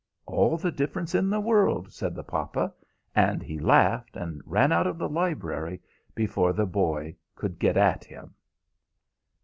"All the difference in the world," said the papa; and he laughed, and ran out of the library before the boy could get at him.